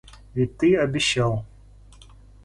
Ведь ты обещал.